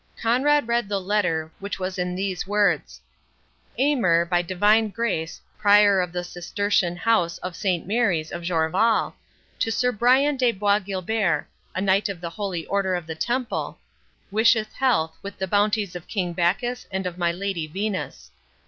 Conrade read the letter, which was in these words: "Aymer, by divine grace, Prior of the Cistertian house of Saint Mary's of Jorvaulx, to Sir Brian de Bois Guilbert, a Knight of the holy Order of the Temple, wisheth health, with the bounties of King Bacchus and of my Lady Venus.